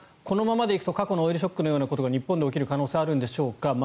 このままいくと、過去のオイルショックのようなことが日本で起きる可能性はあるんでしょうか。